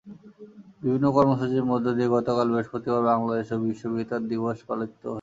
বিভিন্ন কর্মসূচির মধ্য দিয়ে গতকাল বৃহস্পতিবার বাংলাদেশেও বিশ্ব বেতার দিবস পালিত হয়েছে।